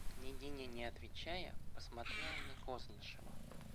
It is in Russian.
Княгиня, не отвечая, посмотрела на Кознышева.